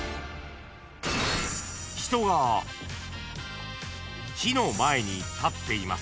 ［人が火の前に立っています］